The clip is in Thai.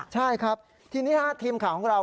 ใช่ครับทีนี้ทีมข่าวของเรา